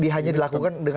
hanya dilakukan dengan